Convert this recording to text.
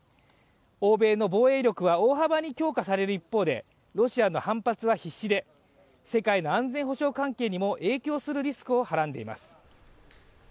欧米の防衛力は大幅に強化される一方でロシアの反発は必至で世界の安全保障環境にも影響するリスクをはらんでいます。